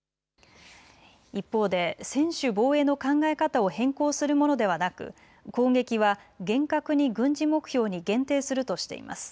一方で専守防衛の考え方を変更するものではなく攻撃は厳格に軍事目標に限定するとしています。